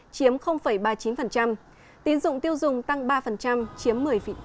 chiếm ba mươi chín tiền dụng tiêu dùng tăng ba chiếm một mươi chín